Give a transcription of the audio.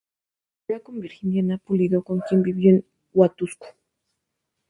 La primera con Virginiana Pulido, con quien vivió en Huatusco.